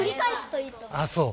あっそう。